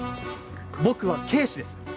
僕は警視です。